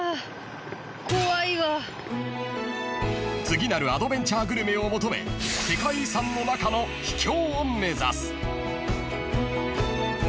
［次なるアドベンチャーグルメを求め世界遺産の中の秘境を目指す］